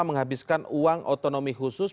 menghabiskan uang otonomi khusus